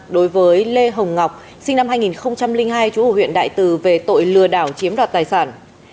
đối với lê hồng ngọc sinh năm hai nghìn hai chủ ở huyện đại từ về tội lừa đảo chiếm đoạt tài sản